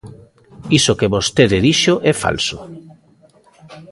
Iso que vostede dixo é falso.